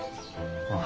ああ。